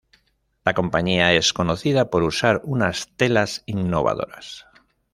La compañia es conocida por usar unas telas innovadoras.